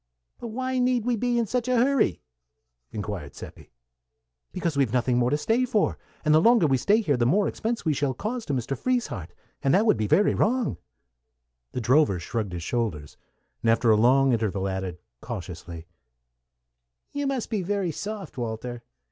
"But why need we be in such a hurry?" inquired Seppi. "Because we've nothing more to stay for, and the longer we stay here, the more expense we shall cause to Mr. Frieshardt, and that would be very wrong." The drover shrugged his shoulders, and after a long interval added, cautiously, "You must be very soft, Walter.